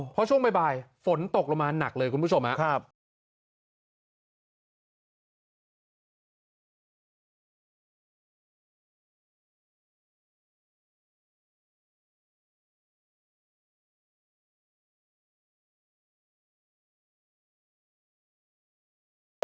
เพราะช่วงบ่ายฝนตกลงมาหนักเลยคุณผู้ชมครับ